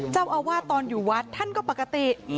เจ้าอาวาสตอนอยู่วัดท่านก็ปกติ